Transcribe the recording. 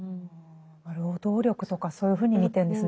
労働力とかそういうふうに見てるんですね。